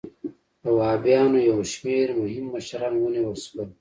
د وهابیانو یو شمېر مهم مشران ونیول شول.